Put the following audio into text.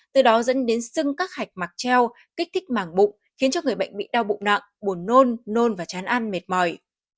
từ đó dẫn đến sưng các hạch mặc treo kích thích màng bụng khiến cho người bệnh bị đau bụng nặng buồn nôn nôn và chán ăn mệt mỏi